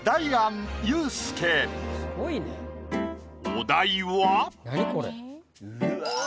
お題は。